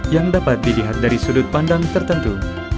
yang dapat dilihat dari sudut pandang tertentu